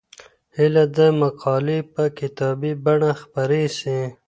هيله ده مقالې په کتابي بڼه خپرې سي.